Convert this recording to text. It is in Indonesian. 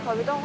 kalau gitu om